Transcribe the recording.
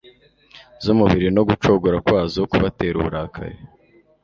zu mubiri no gucogora kwazo kubatera uburakari,